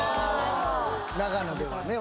長野ではね